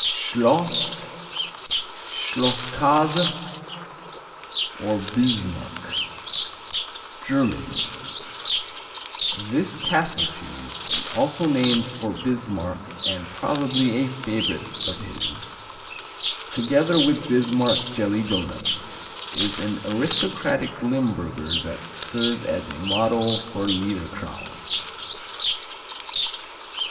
Schloss, Schlosskäse, or Bismarck German This Castle cheese, also named for Bismarck and probably a favorite of his, together with Bismarck jelly doughnuts, is an aristocratic Limburger that served as a model for Liederkranz.